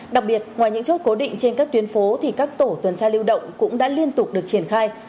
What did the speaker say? đặc biệt ngoài những chốt cố định trên các tuyến phố thì các tổ tuần tra lưu động cũng đã liên tục được triển khai